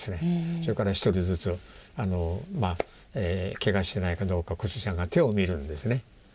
それから１人ずつケガしてないかどうか小杉さんが手を見るんですね。